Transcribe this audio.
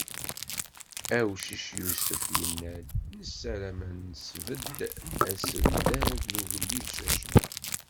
Awcic Yusef, yenna-d: "Nessaram ad nesbedd asebddad n ugellid Cacnaq."